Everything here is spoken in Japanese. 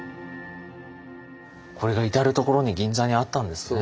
これが至る所に銀座にあったんですね。